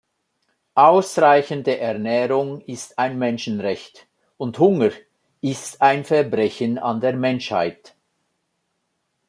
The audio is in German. Ausreichende Ernährung ist ein Menschenrecht, und Hunger ist ein Verbrechen an der Menschheit.